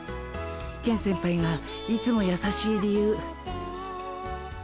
ケン先輩がいつもやさしい理由。